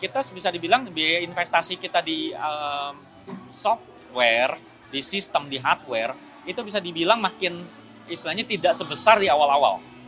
dua ribu dua puluh dua kita bisa dibilang biaya investasi kita di software di sistem di hardware itu bisa dibilang makin istilahnya tidak sebesar di awal awal